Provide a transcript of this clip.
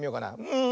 うん。